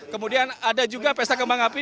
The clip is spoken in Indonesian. kemudian ada juga pesta kembang api